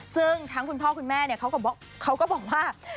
ซึ่งทั้งคุณพ่อคุณแม่เขาก็บอกว่า